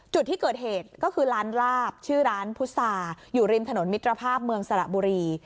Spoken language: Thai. จุดที่เกิดเหตุก็คือร้านลาบชื่อร้านพุษาอยู่ริมถนนมิตรภาพเมืองสระบุรี